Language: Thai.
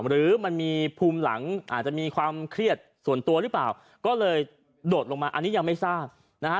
หรือมันมีภูมิหลังอาจจะมีความเครียดส่วนตัวหรือเปล่าก็เลยโดดลงมาอันนี้ยังไม่ทราบนะฮะ